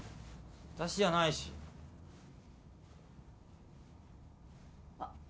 私じゃないしあっ